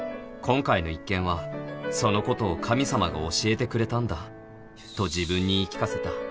今回の一件はそのことを神様が教えてくれたんだと自分に言い聞かせた